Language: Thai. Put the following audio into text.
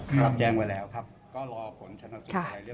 รอรับแย้งไว้แล้วครับก็รอผลชนัดสุดใหม่เรียบร้อย